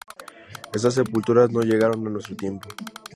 Estas sepulturas no llegaron a nuestro tiempo.